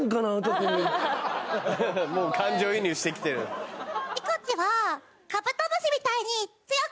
もう感情移入してきてるがいいです